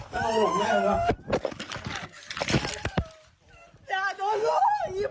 อย่าโดนลูกมันโดนลูก